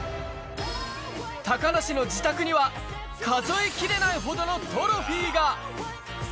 高梨の自宅には、数えきれないほどのトロフィーが。